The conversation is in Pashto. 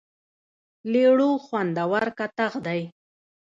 لیړو خوندور کتغ دی.